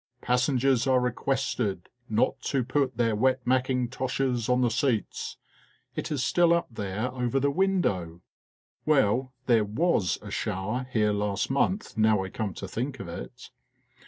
(" Passengers are requested not to put their wet mack intoshes on the seats," it is still up there over the window. Well, there was a shower here last month now I come to think of it.)